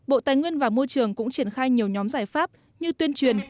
bộ tài nguyên và môi trường cũng triển khai nhiều nhóm giải pháp như tuyên truyền